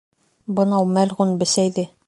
Бынау мәлғүн бесәйҙе...